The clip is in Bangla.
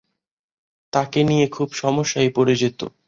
তাকে নিয়ে খুব সমস্যায় পড়ে যেত।